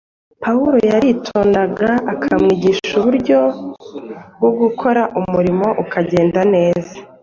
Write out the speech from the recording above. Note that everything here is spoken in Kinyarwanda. Pawulo yaritondaga akamwigisha uburyo bwo gukora umurimo ukagenda neza.